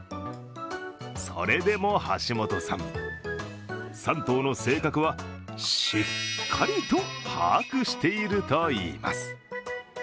それでも橋本さん、３頭の性格はしっかりと把握しているといいます。